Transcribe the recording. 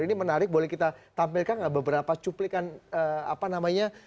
ini menarik boleh kita tampilkan nggak beberapa cuplikan apa namanya